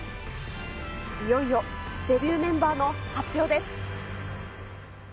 いよいよデビューメンバーの発表です。